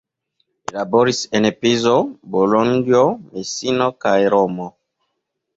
Li laboris en Pizo, Bolonjo, Mesino kaj Romo.